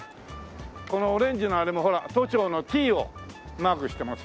このオレンジのあれもほら都庁の「Ｔ」をマークしてますよ。